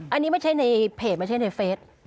อันนี้ไม่ใช่ในเพจไม่ใช่ในเฟส